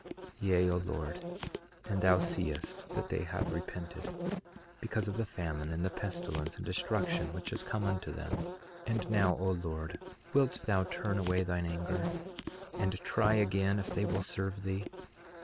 11:15 Yea, O Lord, and thou seest that they have repented, because of the famine and the pestilence and destruction which has come unto them. 11:16 And now, O Lord, wilt thou turn away thine anger, and try again if they will serve thee?